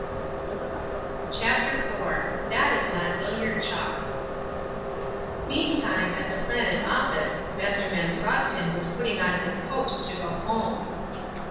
CHAPTER IV THAT IS NOT BILLIARD CHALK Meantime at the Planet office Masterman Throgton was putting on his coat to go home.